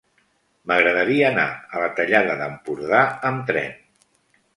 M'agradaria anar a la Tallada d'Empordà amb tren.